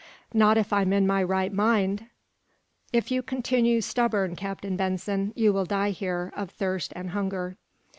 "Not if I'm in my right mind!" "If you continue stubborn, Captain Benson, you will die here, of thirst and hunger."